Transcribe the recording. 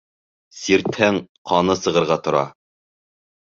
Сиртһәң, ҡаны сығырға тора.